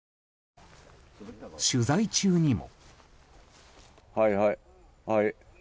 取材中にも。